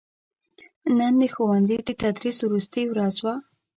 نن دښوونځي دتدریس وروستې ورځ وه